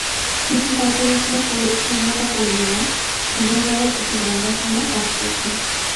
City করপোরেশনের পরিচ্ছন্নতাকর্মীরা দিনের বেলায় এসব ময়লা সরানোর কাজ করছেন।